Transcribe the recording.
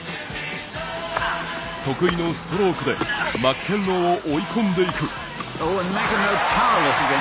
得意のストロークでマッケンローを追い込んでいく。